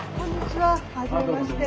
はじめまして。